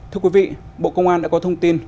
thưa quý vị bộ công an đã có thông tin